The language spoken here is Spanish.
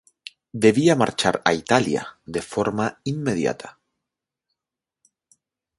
Debía marchar a Italia de forma inmediata.